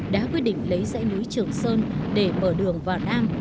đã quyết định lấy dãy núi trường sơn để mở đường vào nam